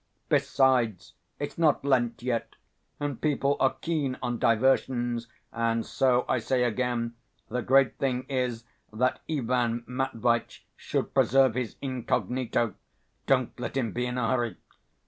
Besides, it's not Lent yet, and people are keen on diversions, and so I say again, the great thing is that Ivan Matveitch should preserve his incognito, don't let him be in a hurry.